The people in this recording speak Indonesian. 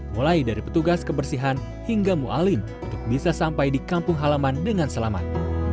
mulai dari petugas kebersihan hingga mualin ⁇ untuk bisa sampai di kampung halaman dengan selamat